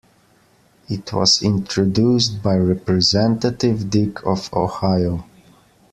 It was introduced by Representative Dick of Ohio.